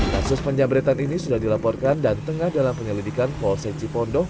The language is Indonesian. kasus penjabretan ini sudah dilaporkan dan tengah dalam penyelidikan polse cipondok